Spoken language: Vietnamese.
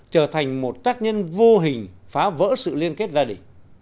trở thành một tác nhân vô hình trong cuộc gọi